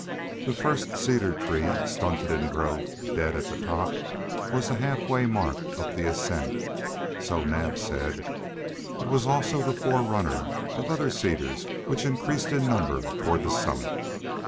The first cedar tree, stunted in growth, dead at the top, was the half way mark up the ascent, so Naab said; it was also the forerunner of other cedars which increased in number toward the summit.